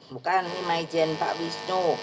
bukan ini maijen pak wisnu